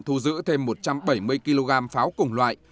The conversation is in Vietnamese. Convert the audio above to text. thu giữ thêm một trăm bảy mươi kg pháo cùng loại